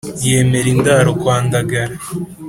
Yemera indaro kwa Ndagara